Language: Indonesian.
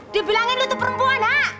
dibilangin lo tuh perempuan hah